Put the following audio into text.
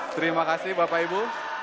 terima kasih bapak ibu